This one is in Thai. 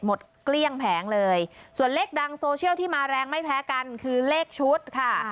เกลี้ยงแผงเลยส่วนเลขดังโซเชียลที่มาแรงไม่แพ้กันคือเลขชุดค่ะ